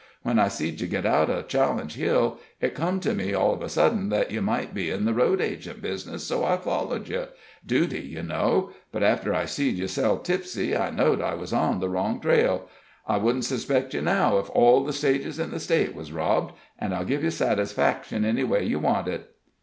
When I seed you git out of Challenge Hill, it come to me all of a sudden that you might be in the road agent business, so I followed you duty, you know. But after I seed you sell Tipsie, I knowed I was on the wrong trail. I wouldn't suspect you now if all the stages in the State was robbed; an' I'll give you satisfaction any way you want it."